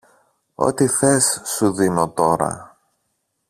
Ό,τι θες σου δίνω τώρα!